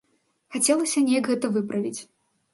Хацелася неяк гэта выправіць.